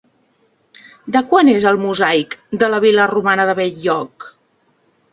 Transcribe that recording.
De quan és el mosaic de la vil·la romana de Bell-lloc?